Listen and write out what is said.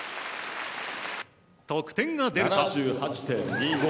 得点が出ると。